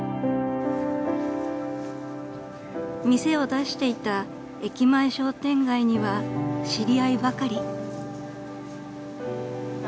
［店を出していた駅前商店街には知り合いばかり］